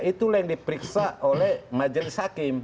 itulah yang diperiksa oleh majelis hakim